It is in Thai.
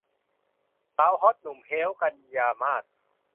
สาวฮอทหนุ่มเฮ้ว - กันยามาส